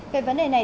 về vấn đề này